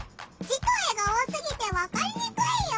字と絵が多すぎてわかりにくいよ。